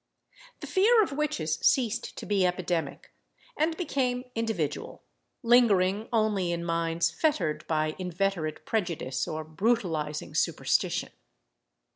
The fear of witches ceased to be epidemic, and became individual, lingering only in minds fettered by inveterate prejudice or brutalising superstition.